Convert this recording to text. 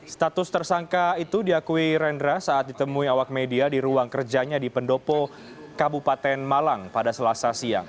status tersangka itu diakui rendra saat ditemui awak media di ruang kerjanya di pendopo kabupaten malang pada selasa siang